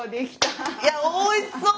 いやおいしそう！